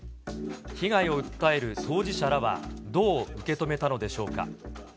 被害を訴える当事者らは、どう受け止めたのでしょうか。